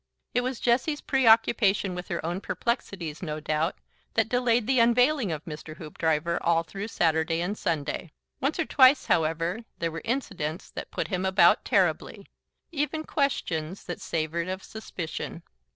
It was Jessie's preoccupation with her own perplexities, no doubt, that delayed the unveiling of Mr. Hoopdriver all through Saturday and Sunday. Once or twice, however, there were incidents that put him about terribly even questions that savoured of suspicion.